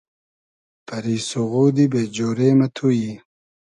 پئری سوغودی بې جۉرې مۂ تو یی